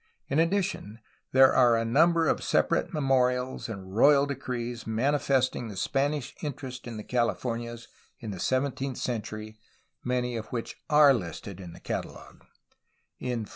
In addition there are a number of sepa rate memorials and royal ; decrees manifesting the Spanish interest in the Californias in the seventeenth century, many of which are listed in the Catalogue, CHAPTER XIV THE JESUITS IN BAJA CALIFORNIA, 1697 1768.